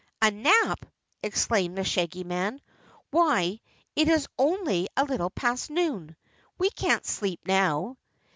"A nap!" exclaimed the Shaggy Man. "Why, it is only a little past noon. We can't sleep now."